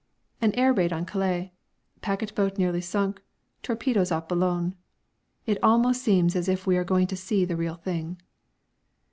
An air raid on Calais, packet boat nearly sunk, torpedoes off Boulogne it almost seems as if we are going to see the real thing.